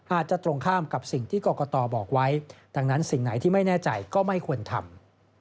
อาจจะตรงข้ามกับสิ่งที่กรกตบอกไว้ดังนั้นสิ่งไหนที่ไม่แน่ใจก็ไม่ควรทำ